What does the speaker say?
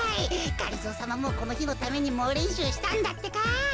がりぞーさまもこのひのためにもうれんしゅうしたんだってか。